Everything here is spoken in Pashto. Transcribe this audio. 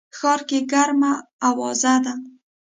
ښار کي ګرمه اوازه ده